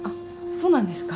そうなんですか。